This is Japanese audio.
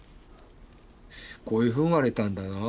こういうふうに割れたんだな。